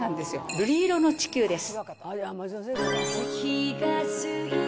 瑠璃色の地球です。